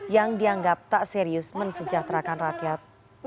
yang dianggap tak serius mensejahterakan rakyat